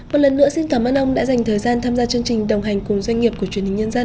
một lần nữa xin cảm ơn ông đã dành thời gian tham gia chương trình đồng hành cùng doanh nghiệp của truyền hình nhân dân